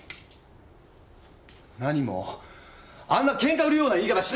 何もあんなケンカ売るような言い方しなくたって！